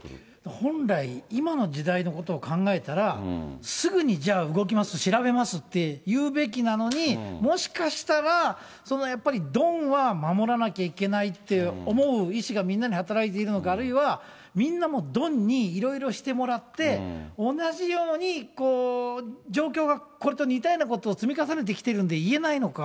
本来、今の時代のことを考えたら、すぐに、じゃあ動きます、調べますって言うべきなのに、もしかしたら、やっぱりドンは守らなきゃいけないって思う意思が、みんなに働いているのか、あるいは、みんなもドンにいろいろしてもらって、同じように状況がこれと似たようなことを積み重ねてきているんで、言えないのか。